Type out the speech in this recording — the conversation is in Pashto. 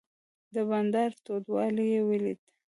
د بانډار تودوالی یې ولید.